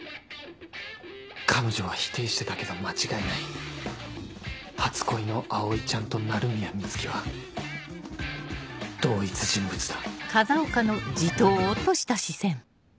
彼女は否定してたけど間違いない初恋の葵ちゃんと鳴宮美月は同一人物だ